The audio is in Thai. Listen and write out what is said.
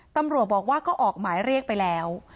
ตำรวจบอกว่าก็ออกหมายเรียกไปแล้ว